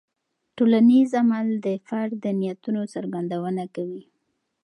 ټولنیز عمل د فرد د نیتونو څرګندونه کوي.